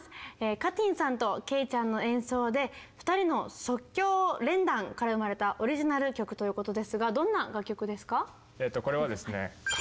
かてぃんさんとけいちゃんの演奏で２人の即興連弾から生まれたオリジナル曲ということですがどんな楽曲ですか？